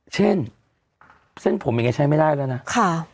เช่นเส้นผมอย่างนี้ใช้ไม่ได้แล้วนะ